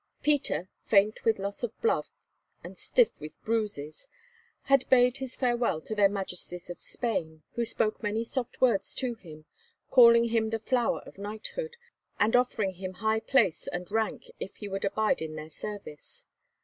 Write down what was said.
Peter, faint with loss of blood and stiff with bruises, had bade his farewell to their Majesties of Spain, who spoke many soft words to him, calling him the Flower of Knighthood, and offering him high place and rank if he would abide in their service.